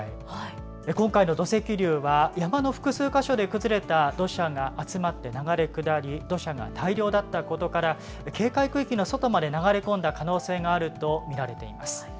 今回の土石流は山の複数箇所で崩れた土砂が集まって流れ下り土砂が大量だったことから警戒区域の外まで流れ込んだ可能性があると見られています。